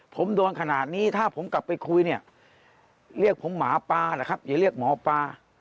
ผมโดนขนาดนี้ถ้าผมกลับไปคุยเนี่ยเรียกผมหมอปลาแหละครับอย่าเรียกหมอปลา